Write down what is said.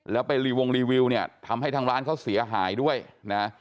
แล้วไปรีวงรีวิวเนี่ยทำให้ทางร้านเขาเสียหายด้วยนะ